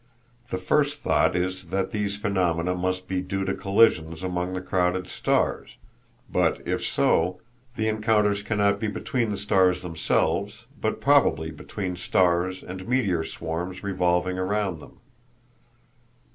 The first thought is that these phenomena must be due to collisions among the crowded stars, but, if so, the encounters cannot be between the stars themselves, but probably between stars and meteor swarms revolving around them.